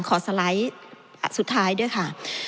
สไลด์สุดท้ายด้วยค่ะ